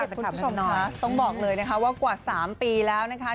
อัพเดตเป็นคำน้ำหน่อยต้องบอกเลยนะคะว่ากว่าสามปีแล้วนะคะ